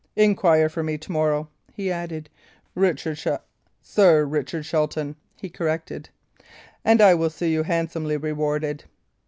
"Inquire for me to morrow," he added "Richard Shelt Sir Richard Shelton," he corrected, "and I will see you handsomely rewarded."